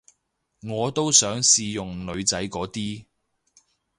我都想試用女仔嗰啲